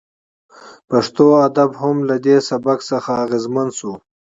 پښتو ادب هم له دې سبک څخه اغیزمن شو